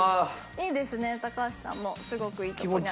いいですね高橋さんもすごくいいとこに。